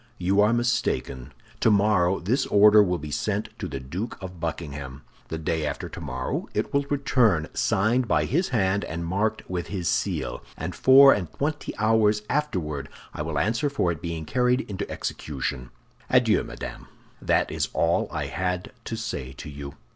You are mistaken. Tomorrow this order will be sent to the Duke of Buckingham. The day after tomorrow it will return signed by his hand and marked with his seal; and four and twenty hours afterward I will answer for its being carried into execution. Adieu, madame. That is all I had to say to you."